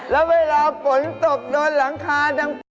แล้วเวลาฝนตกโดนหลังคาดัง